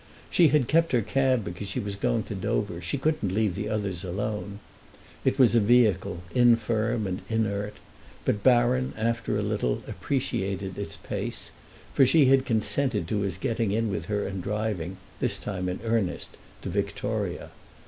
She had kept her cab because she was going to Dover; she couldn't leave the others alone. It was a vehicle infirm and inert, but Baron, after a little, appreciated its pace, for she had consented to his getting in with her and driving, this time in earnest, to Victoria.